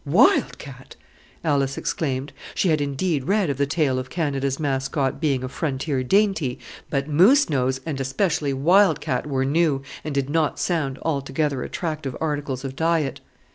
"Wild cat!" Alice exclaimed. She had indeed read of the tail of Canada's mascot being a frontier dainty, but moose nose, and especially wild cat, were new, and did not sound altogether attractive articles of diet.